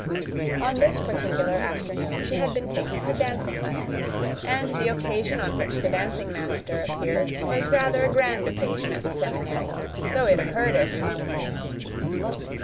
On this particular afternoon she had been taking her dancing lesson, and the afternoon on which the dancing master appeared was rather a grand occasion at the seminary, though it occurred every week.